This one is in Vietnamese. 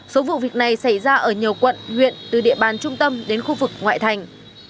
số vụ việc này xảy ra ở nhiều quận huyện từ địa bàn trung tâm đến khu vực ngoại thành